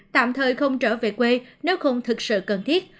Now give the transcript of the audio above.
tạm thời không trở về quê nếu không thực sự cần thiết